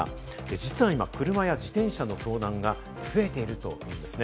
実は今、車や自転車の盗難が増えているというんですね。